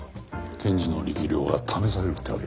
検事の力量が試されるってわけですね。